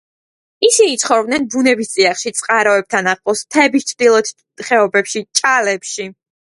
ისინი ცხოვრობდნენ ბუნების წიაღში, წყაროებთან ახლოს მთების ჩრდილიან ხეობებში, ჭალებში.